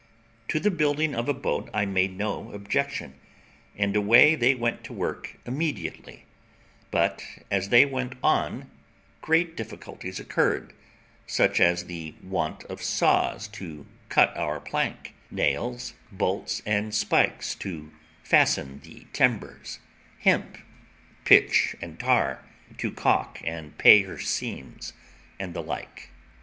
To the building of a boat I made no objection, and away they went to work immediately; but as they went on, great difficulties occurred, such as the want of saws to cut our plank; nails, bolts, and spikes, to fasten the timbers; hemp, pitch, and tar, to caulk and pay her seams, and the like.